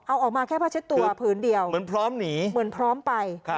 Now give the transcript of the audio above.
เอาออกมาแค่ผ้าเช็ดตัวผืนเดียวเหมือนพร้อมหนีเหมือนพร้อมไป